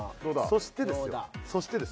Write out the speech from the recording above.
そしてですよ